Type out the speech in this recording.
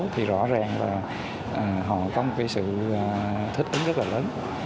thì rõ ràng là họ có một cái sự thích ứng rất là lớn